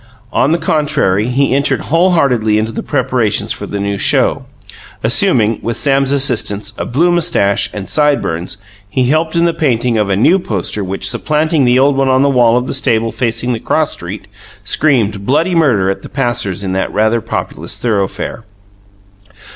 On the contrary, he entered whole heartedly into the preparations for the new show. Assuming, with Sam's assistance, a blue moustache and "side burns," he helped in the painting of a new poster, which, supplanting the old one on the wall of the stable facing the cross street, screamed bloody murder at the passers in that rather populous thoroughfare.